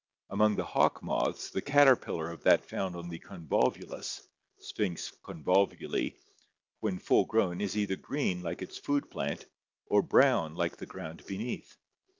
Among the hawk moths the caterpillar of that found on the convolvulus {Sphinx convolvuli) when full grown is either green like its food plant or brown like the ground beneath.